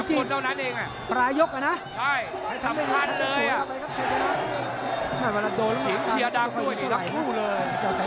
ตรงกาลทักคู่เลย